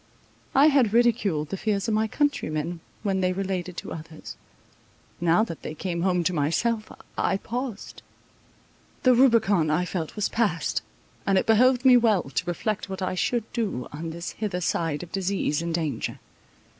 I had ridiculed the fears of my countrymen, when they related to others; now that they came home to myself, I paused. The Rubicon, I felt, was passed; and it behoved me well to reflect what I should do on this hither side of disease and danger.